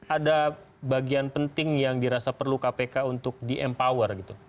ada bagian penting yang dirasa perlu kpk untuk di empower gitu